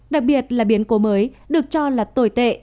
đặc biệt là biến cố mới được cho là tồi tệ